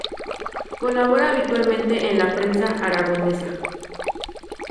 Colabora habitualmente en la prensa aragonesa.